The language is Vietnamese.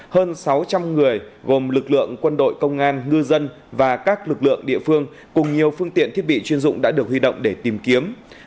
hơn sáu trăm linh người gồm lực lượng quân đội công an ngư dân và các lực lượng địa phương cùng nhiều phương tiện thiết bị chuyên dụng đã được huy động để tìm kiếm